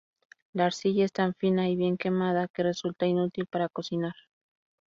La arcilla es tan fina y bien quemada que resulta inútil para cocinar.